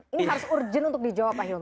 ini harus urgent untuk dijawab pak hilman